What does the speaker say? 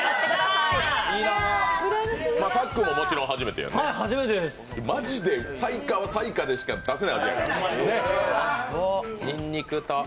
さっくんももちろん初めてマジで彩華は彩華でしか出せない味やから。